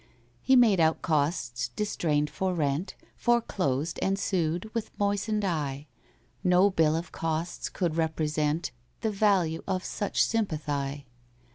He made out costs, distrained for rent, Foreclosed and sued, with moistened eye— No bill of costs could represent The value of such sympathy.